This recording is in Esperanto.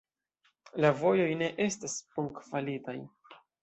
La vojoj ne estas bonkvalitaj.